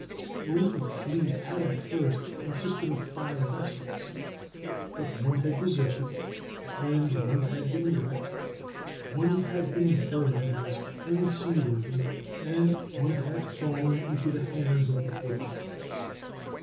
The little fleet had at first consisted of five vessels; but one had deserted, one had been wrecked, one had been burned as unseaworthy, and one had fallen into the hands of the Portuguese.